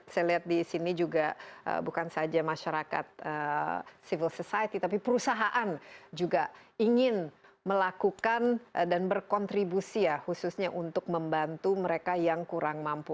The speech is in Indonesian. saya lihat di sini juga bukan saja masyarakat civil society tapi perusahaan juga ingin melakukan dan berkontribusi ya khususnya untuk membantu mereka yang kurang mampu